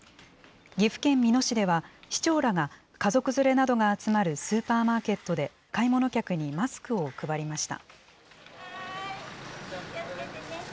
岐阜県美濃市では、市長らが、家族連れなどが集まるスーパーマーケットで、買い物客にマスクを配りました。